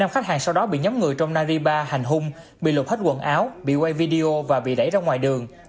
năm khách hàng sau đó bị nhóm người trong naripa hành hung bị lụt hết quần áo bị quay video và bị đẩy ra ngoài đường